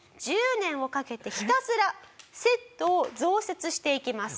１０年をかけてひたすらセットを増設していきます。